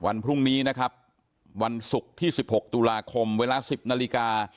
วันพรุ่งนี้นะครับวันศุกร์ที่๑๖ตุลาคมเวลา๑๐นาฬิกา